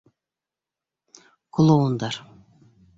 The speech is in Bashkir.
Клоундар!